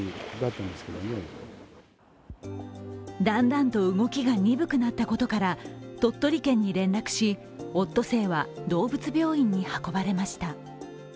だんだんと動きが鈍くなったことから、鳥取県に連絡し、オットセイは動物病院に運ばれました。